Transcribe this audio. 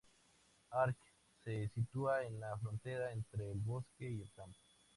Arc se sitúa en la frontera entre el bosque y el campo.